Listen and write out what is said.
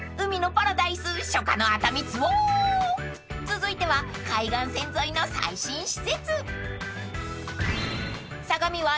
［続いては海岸線沿いの最新施設］